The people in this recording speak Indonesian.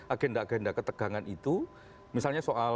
agenda agenda ketegangan itu misalnya soal